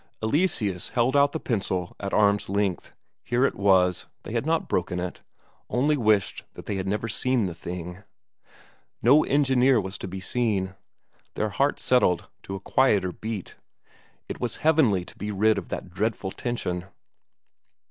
Eleseus held out the pencil at arm's length; here it was, they had not broken it; only wished they had never seen the thing. No engineer was to be seen. Their hearts settled to a quieter beat; it was heavenly to be rid of that dreadful tension.